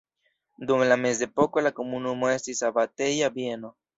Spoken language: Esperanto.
Dum la mezepoko la komunumo estis abateja bieno.